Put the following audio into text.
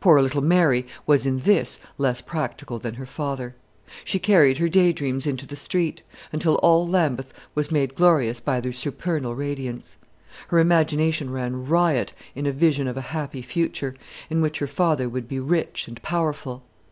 Poor little Mary was in this less practical than her father. She carried her day dreams into the street, until all Lambeth was made glorious by their supernal radiance. Her imagination ran riot in a vision of a happy future, in which her father would be rich and powerful.